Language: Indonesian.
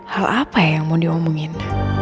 hal apa yang mau diomongin